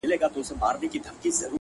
چي دي شراب. له خپل نعمته ناروا بلله.